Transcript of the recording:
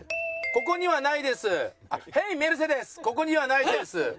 ここにはないです。